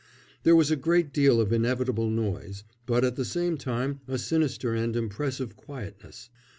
There was a great deal of inevitable noise, but at the same time a sinister and impressive quietness.